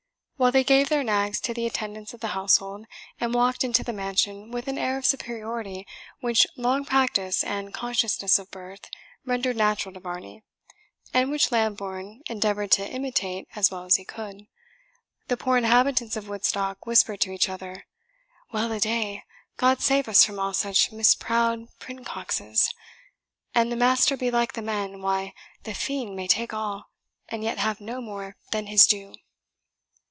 While they gave their nags to the attendants of the household, and walked into the mansion with an air of superiority which long practice and consciousness of birth rendered natural to Varney, and which Lambourne endeavoured to imitate as well as he could, the poor inhabitants of Woodstock whispered to each other, "Well a day! God save us from all such misproud princoxes! An the master be like the men, why, the fiend may take all, and yet have no more than his due."